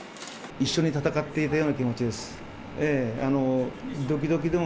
一緒に戦っていたような気持ちです。